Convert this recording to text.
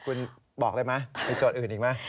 คุณบอกเลยมั้ยมีโจทย์อื่นอีกมั้ย